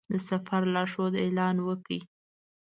د سفر لارښود اعلان وکړ.